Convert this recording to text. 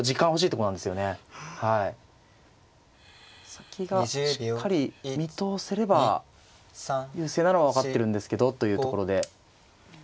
先がしっかり見通せれば優勢なのは分かってるんですけどというところで。